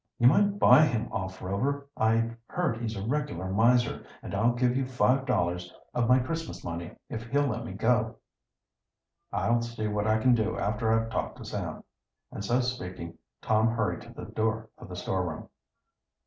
"You might buy him off, Rover. I've heard he's a regular miser, and I'll give you five dollars of my Christmas money if he'll let me go." "I'll see what I can do after I've talked to Sam." And so speaking Tom hurried to the door of the storeroom.